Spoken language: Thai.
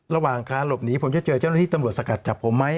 ระหว่างการหลบหนีผมจะเจอเจ้าหน้าที่ตำรวจสกัดจับผมไหม